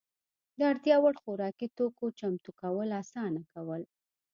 د اړتیا وړ خوراکي توکو چمتو کول اسانه کول.